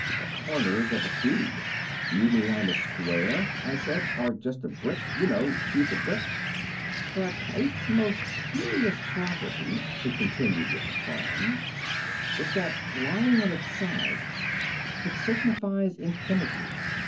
"The corners of a cube." "You mean I'm a square?" I said. "Or just a brick? You know, 'She's a brick.'" "But eight's most curious property," he continued with a frown, "is that lying on its side it signifies infinity.